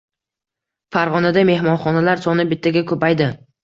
Farg‘onada mehmonxonalar soni bittaga ko‘paydi